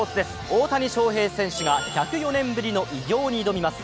大谷翔平選手が、１０４年ぶりの偉業に挑みます。